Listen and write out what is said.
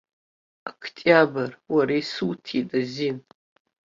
Октиабр, уара исуҭеит азин.